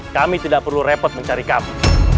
kami tidak perlu repot mencari kami